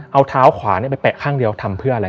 เอาเท้าขวาไปแปะข้างเดียวทำเพื่ออะไร